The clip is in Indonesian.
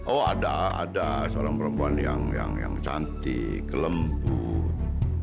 oh ada ada seorang perempuan yang cantik kelembut